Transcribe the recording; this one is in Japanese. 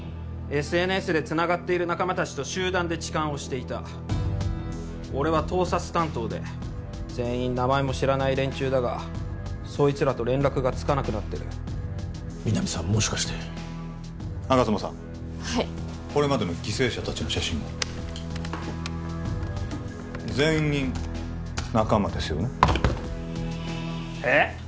ＳＮＳでつながっている仲間たちと集団で痴漢をしていた俺は盗撮担当で全員名前も知らない連中だがそいつらと連絡がつかなくなってる皆実さんもしかして吾妻さんはいこれまでの犠牲者たちの写真を全員仲間ですよねえっ！？